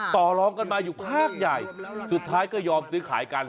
ต่อรองกันมาอยู่ข้างใหญ่สุดท้ายก็ยอมซื้อขายกัน